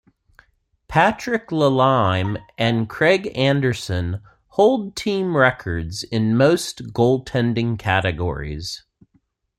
Patrick Lalime and Craig Anderson hold team records in most goaltending categories.